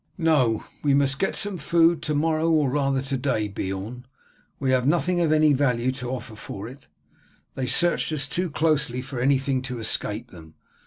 "No, we must get some food to morrow or rather to day, Beorn. We have nothing of any value to offer for it. They searched us too closely for anything to escape them.